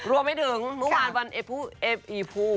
รวมไปถึงเมื่อวานวันเอฟอีพู